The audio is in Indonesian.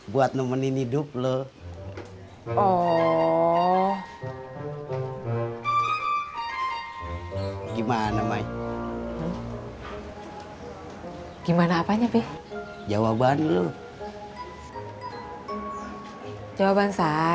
buat nemenin hidup lu oh gimana mai gimana apanya beh jawaban lu jawaban saya